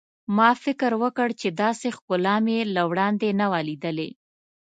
ما فکر وکړ چې داسې ښکلا مې له وړاندې نه وه لیدلې.